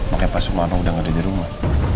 makanya pak sumarno udah gak ada di rumah